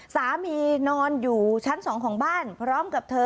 นอนอยู่ชั้น๒ของบ้านพร้อมกับเธอ